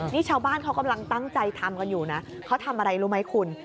นี่ชาวบ้านเขากำลังตั้งใจทำกันอยู่นะเขาทำอะไรรู้ไหมคุณ